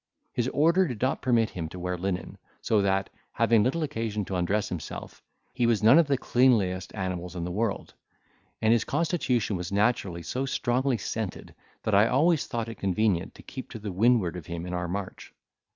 His order did not permit him to wear linen, so that, having little occasion to undress himself, he was none of the cleanliest animals in the world; and his constitution was naturally so strongly scented that I always thought it convenient to keep to the windward of him in our march.